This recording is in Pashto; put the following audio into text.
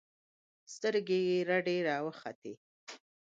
سترګې يې رډې راوختې.